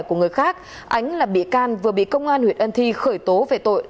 của người khác ánh là bị can vừa bị công an huyện ân thi khởi tố về tội